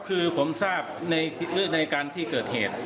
คือผมทราบในการที่เกิดเหตุ